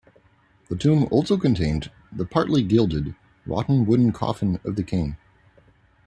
The tomb also contained the partly gilded rotten wooden coffin of the king.